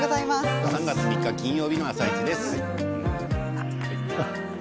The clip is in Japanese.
３月３日金曜日の「あさイチ」です。